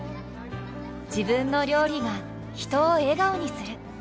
自分の料理が人を笑顔にする。